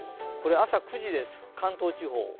これは朝９時です、関東地方。